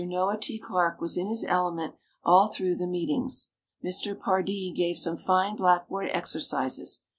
Noah T. Clarke was in his element all through the meetings. Mr. Pardee gave some fine blackboard exercises.